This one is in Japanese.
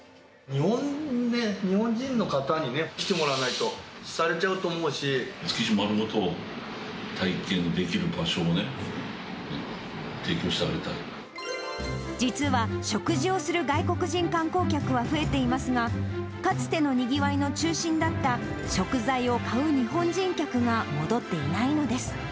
日本人の方に来てもらわない築地をまるごと体験できる場実は、食事をする外国人観光客は増えていますが、かつてのにぎわいの中心だった食材を買う日本人が戻っていないのです。